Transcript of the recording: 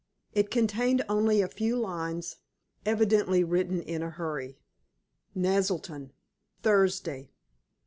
It contained only a few lines, evidently written in a hurry. "Naselton, Thursday.